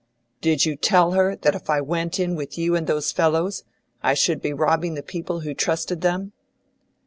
"Did you tell her that if I went in with you and those fellows, I should be robbing the people who trusted them?"